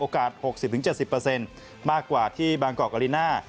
โอกาส๖๐๗๐มากกว่าที่บางกรกอลิน่า